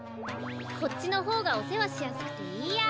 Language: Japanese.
こっちのほうがおせわしやすくていいや。